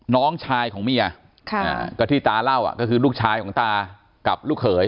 น้องชายของเมียก็ที่ตาเล่าก็คือลูกชายของตากับลูกเขย